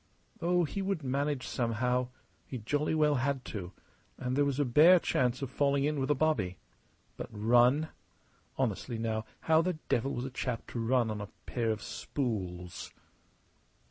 Oh, he would manage somehow; he jolly well had to; and there was a bare chance of falling in with a bobby. But run? Honestly, now, how the devil was a chap to run on a pair of spools?